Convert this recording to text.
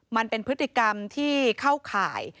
มันเป็นพฤติกรรมที่เข้าข่าย